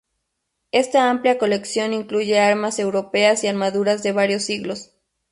Esta amplia colección incluye armas europeas y armaduras de varios siglos.